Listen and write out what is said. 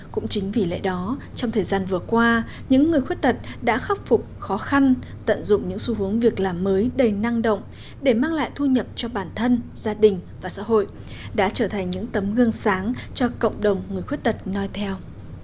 cũng chính vì lẽ đó trong thời gian vừa qua những người khuyết tật đã khắc phục khó khăn tận dụng những xu hướng việc làm mới đầy năng động để mang lại thu nhập cho bản thân gia đình và xã hội đã trở thành những tấm gương sáng cho cộng đồng người khuyết tật nói theo